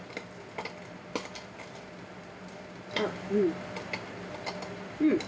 あっうん。